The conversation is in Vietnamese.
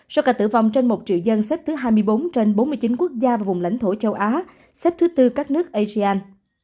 số ca tử vong trên một triệu dân xếp thứ hai mươi bốn trên bốn mươi chín quốc gia và vùng lãnh thổ châu á xếp thứ tư các nước asean